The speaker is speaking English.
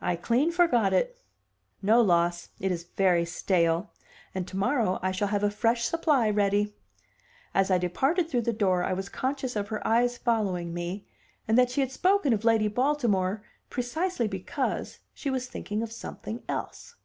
"I clean forgot it!" "No loss. It is very stale; and to morrow I shall have a fresh supply ready." As I departed through the door I was conscious of her eyes following me, and that she had spoken of Lady Baltimore precisely because she was thinking of something else.